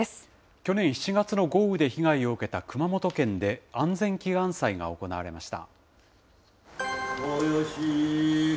去年７月の豪雨で被害を受けた熊本県で、安全祈願祭が行われました。